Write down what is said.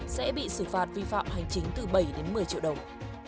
sẽ bị xử phạt vi phạm hành chính từ bảy đến một mươi triệu đồng